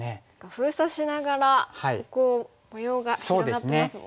封鎖しながらここを模様が広がってますもんね。